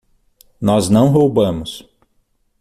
Nós não roubamos.